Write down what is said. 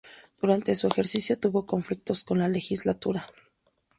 Durante su ejercicio tuvo conflictos con la legislatura.